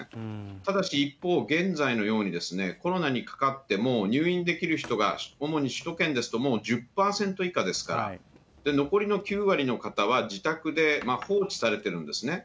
ただし一方、現在のように、コロナにかかっても入院できる人が、主に首都圏ですと、もう１０％以下ですから、残りの９割の方は自宅で放置されてるんですね。